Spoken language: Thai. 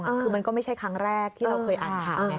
คือมันก็ไม่ใช่ครั้งแรกที่เราเคยอ่านข่าวไง